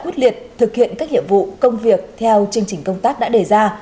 quyết liệt thực hiện các nhiệm vụ công việc theo chương trình công tác đã đề ra